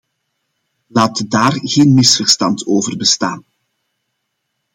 Laat daar geen misverstand over bestaan.